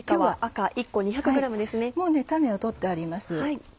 もう種を取ってあります。